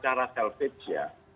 yang paling selamat ya